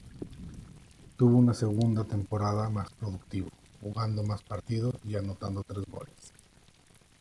Tuvo una segunda temporada más productivo, jugando más partidos y anotando tres goles.